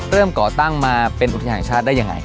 ก่อตั้งมาเป็นอุทยานแห่งชาติได้ยังไง